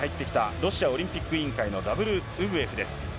ロシアオリンピック委員会のザブル・ウグエフです。